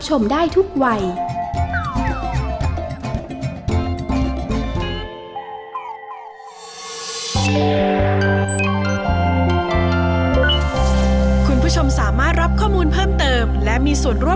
ฉันก็โหลดแล้ว